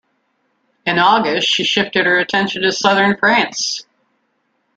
In August, she shifted her attention to southern France.